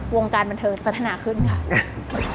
วงการบันเทิงจะพัฒนาขึ้นค่ะ